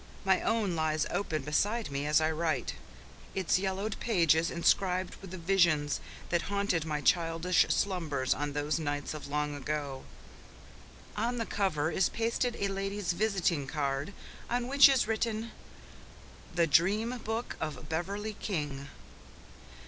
My own lies open beside me as I write, its yellowed pages inscribed with the visions that haunted my childish slumbers on those nights of long ago. On the cover is pasted a lady's visiting card, on which is written, "The Dream Book of Beverley King."